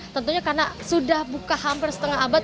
tentunya karena sudah buka hampir setengah abad